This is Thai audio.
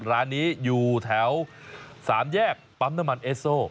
ร้านนี้อยู่แถว๓แยกปั๊มน้ำมันเอสโซ